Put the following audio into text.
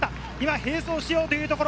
並走しようというところ。